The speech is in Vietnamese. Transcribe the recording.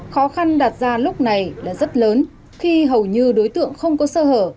khó khăn đạt ra lúc này là rất lớn khi hầu như đối tượng không có sơ hở